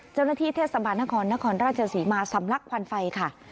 เจ้าหน้าที่เทศบาลนครนครราชศรีมาสำลักควันไฟค่ะ